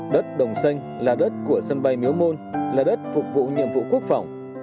đất đồng xanh là đất của sân bay miếu môn là đất phục vụ nhiệm vụ quốc phòng